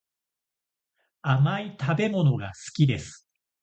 甘い食べ物が好きです